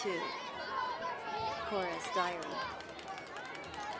CORA'S DIARY.